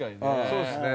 そうですね。